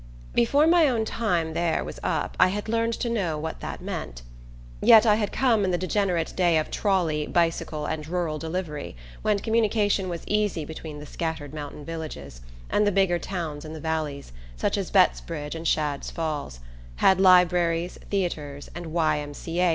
Before my own time there was up I had learned to know what that meant. Yet I had come in the degenerate day of trolley, bicycle and rural delivery, when communication was easy between the scattered mountain villages, and the bigger towns in the valleys, such as Bettsbridge and Shadd's Falls, had libraries, theatres and Y. M. C. A.